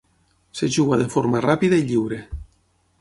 Es juga de forma ràpida i lliure